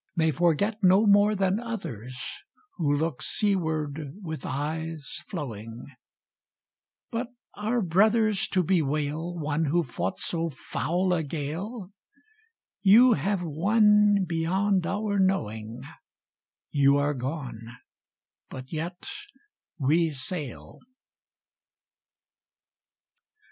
May forget no more than others Who look seaward with eyes flowing. / But are brothers to bewail One who fought so foul a gale? You have won beyond our knowings You are gone, but yet we sail.